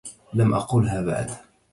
لم أقلها بعد